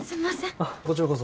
あっこちらこそ。